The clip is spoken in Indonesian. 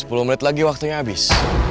sepuluh menit lagi waktunya habis